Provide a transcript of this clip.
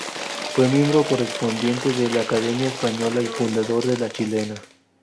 Fue miembro correspondiente de la Academia Española y fundador de la chilena.